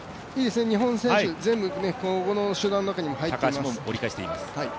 日本選手、全部、この集団の中に入っています。